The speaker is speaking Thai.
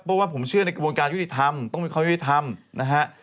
เพราะว่าผมเชื่อในกระบวนการยุติธรรมต้องมีความยุติธรรมนะฮะ